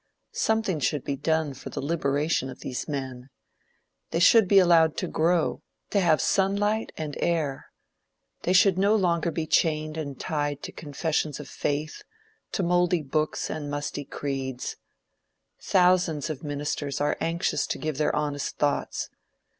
Something should be done for the liberation of these men. They should be allowed to grow to have sunlight and air. They should no longer be chained and tied to confessions of faith, to mouldy books and musty creeds. Thousands of ministers are anxious to give their honest thoughts.